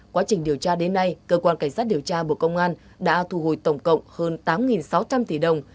quá trình điều tra đến nay cơ quan cảnh sát điều tra bộ công an đã thu hồi tổng cộng hơn tám sáu trăm linh tỷ đồng